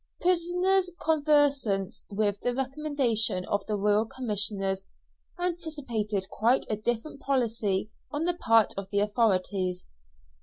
Prisoners conversant with the recommendation of the Royal Commissioners, anticipated quite a different policy on the part of the authorities.